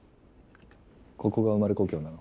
ここが生まれ故郷なの？